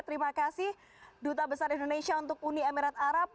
terima kasih duta besar indonesia untuk uni emirat arab